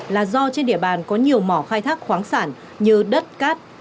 là do trên địa bàn có nhiều mỏ khai thác khoáng sản như đất cát